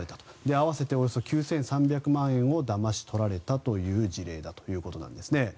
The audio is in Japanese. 合わせておよそ９３００万円をだまし取られたという事例だということです。